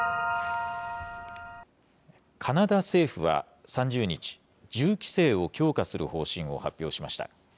カナダ政府は３０日、銃規制を強化する方針を発表しました。